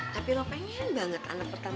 tapi lo pengen banget anak pertama lo ini